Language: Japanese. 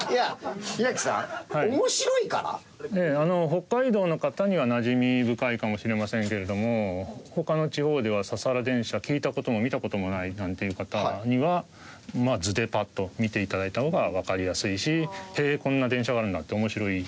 北海道の方にはなじみ深いかもしれませんけれども他の地方ではササラ電車聞いた事も見た事もないなんていう方にはまあ図でパッと見て頂いた方がわかりやすいし「へえこんな電車があるんだ」って面白い。